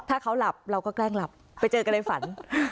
ถ้าเขาหลับเราก็แกล้งหลับไปเจอกันในฝัน